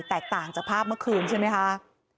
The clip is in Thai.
แตกต่างจากภาพเมื่อคืนใช่ไหมคะ